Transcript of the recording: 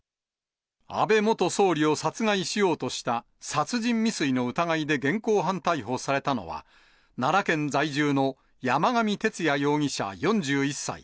安倍元総理を殺害しようとした殺人未遂の疑いで現行犯逮捕されたのは、奈良県在住の山上徹也容疑者４１歳。